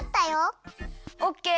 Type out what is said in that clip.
オッケー！